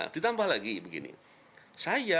ditambah lagi begini saya